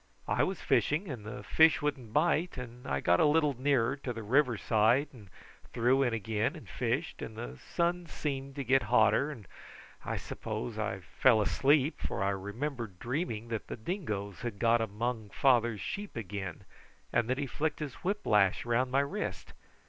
"I was fishing, and the fish wouldn't bite, and I got a little nearer to the river side and threw in again and fished; and the sun seemed to get hotter, and I suppose I fell asleep, for I remember dreaming that the dingoes had got among father's sheep again, and that he flicked his whip lash round my wrist.